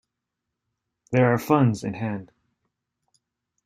There are funds in hand.